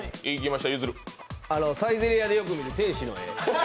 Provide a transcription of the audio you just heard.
サイゼリヤでよく見る、天使の絵。